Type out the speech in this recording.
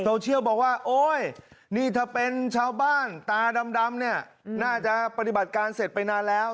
เชื่อว่าโอ๊ยนี่ถ้าเป็นชาวบ้านตาดำเนี่ยน่าจะปฏิบัติการเสร็จไปนานแล้ว